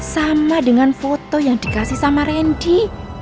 sama dengan foto yang dikasih sama randy